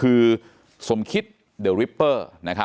เป็นวันที่๑๕ธนวาคมแต่คุณผู้ชมค่ะกลายเป็นวันที่๑๕ธนวาคม